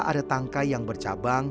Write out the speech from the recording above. ada tangkai yang bercabang